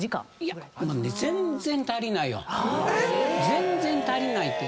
全然足りないって。